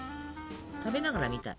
食べながら見たい。